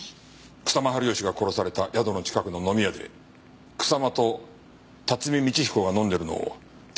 草間治義が殺された宿の近くの飲み屋で草間と辰巳通彦が飲んでいるのを店員が目撃していた。